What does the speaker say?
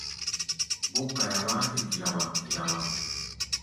Búk kaia wá̧á̧-te kilawaŋ-kilawaŋ.